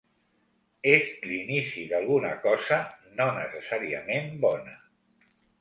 És l'inici d'alguna cosa, no necessàriament bona.